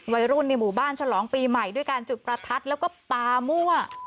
วัยรุ่นในหมู่บ้านฉลองปีใหม่ด้วยการจุดประทัดแล้วก็ปลามั่ว